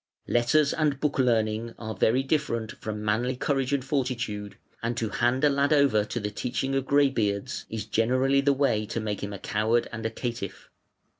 Letters and book learning are very different from manly courage and fortitude, and to hand a lad over to the teaching of greybeards is generally the way to make him a coward and a caitiff.